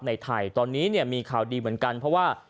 ในไทยตอนนี้เนี่ยมีข่าวดีเหมือนกันเพราะว่า